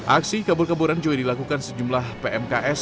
aksi kabur kaburan juga dilakukan sejumlah pmks